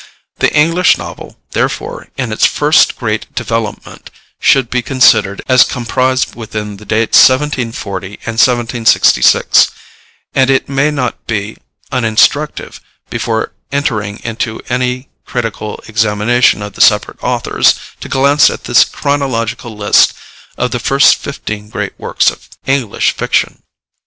The English novel, therefore, in its first great development, should be considered as comprised within the dates 1740 and 1766; and it may not be uninstructive, before entering into any critical examination of the separate authors, to glance at this chronological list of the first fifteen great works of English fiction.